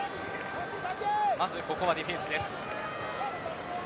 まずここはディフェンスです。